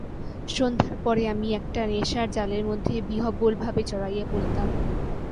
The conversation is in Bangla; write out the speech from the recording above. সন্ধ্যার পরে আমি একটা নেশার জালের মধ্যে বিহ্বলভাবে জড়াইয়া পড়িতাম।